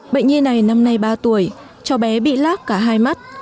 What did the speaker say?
bệnh nhi này năm nay ba tuổi cho bé bị lát cả hai mắt